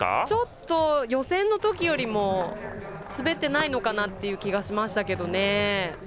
ちょっと予選のときよりも滑ってないのかなって気がしましたけどね。